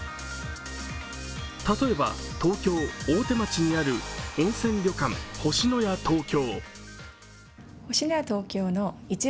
例えば東京・大手町にある温泉旅館星のや東京。